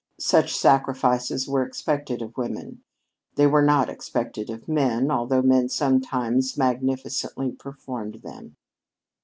Such sacrifices were expected of women. They were not expected of men, although men sometimes magnificently performed them.